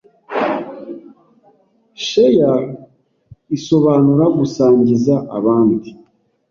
Share isobanura gusangiza abandi